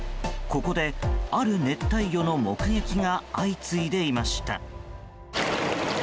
ここで、ある熱帯魚の目撃が相次いでいました。